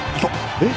えっ？